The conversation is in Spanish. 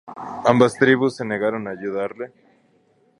Ambas tribus se negaron a ayudarle.